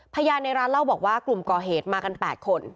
พยานในร้านเล่าบอกว่ากลุ่มก่อเหตุมากัน๘คน